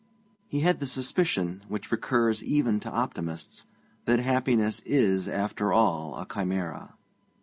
He had the suspicion, which recurs even to optimists, that happiness is after all a chimera.